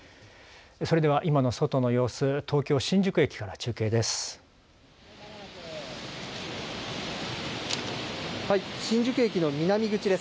それでは今の外の様子、東京新宿駅から中継です。